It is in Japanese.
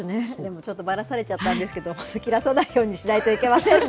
ちょっとばらされちゃったんですけど、切らさないようにしないといけないですね。